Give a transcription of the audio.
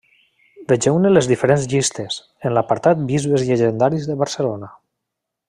Vegeu-ne les diferents llistes en l'apartat Bisbes llegendaris de Barcelona.